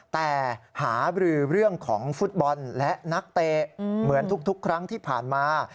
แต่หาบรือเรื่องของฟุตบอลและนักเตะเหมือนทุกครั้งที่ผ่านมา